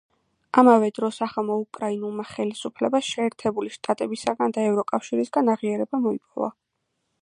ამავე დროს ახალმა უკრაინულმა ხელისუფლება შეერთებული შტატებისგან და ევროკავშირისგან აღიარება მოიპოვა.